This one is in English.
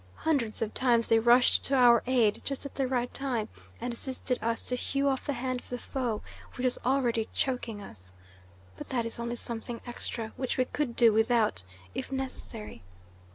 Hundreds of times they rushed to our aid just at the right time, and assisted us to hew off the hand of the foe which was already choking us. But that is only something extra, which we could do without, if necessary.